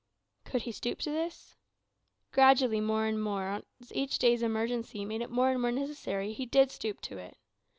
Could he stoop to this? Gradually, and more and more, as each day's emergency made it more and more necessary, he did stoop to it.